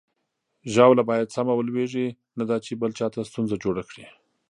ژاوله باید سمه ولویږي، نه دا چې بل چاته ستونزه جوړه کړي.